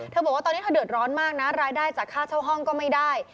บอกว่าตอนนี้เธอเดือดร้อนมากนะรายได้จากค่าเช่าห้องก็ไม่ได้